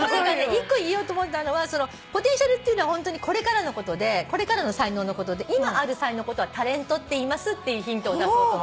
一個言おうと思ったのはポテンシャルっていうのはホントにこれからのことでこれからの才能のことで今ある才能のことはタレントって言いますっていうヒントを出そうと思ったんです。